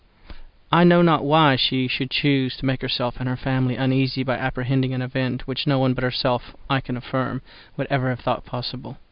I know not why she should choose to make herself and her family uneasy by apprehending an event which no one but herself, I can affirm, would ever have thought possible.